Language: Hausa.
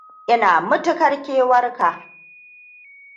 Ina matuƙar kewarka.